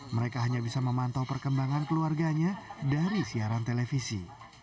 mereka hanya bisa memantau perkembangan keluarganya dari siaran televisi